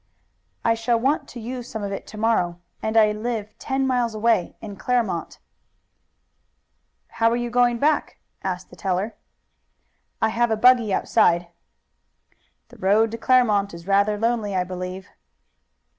"I shall want to use some of it to morrow, and I live ten miles away in Claremont." "How are you going back?" "I have a buggy outside." "The road to Claremont is rather lonely, I believe."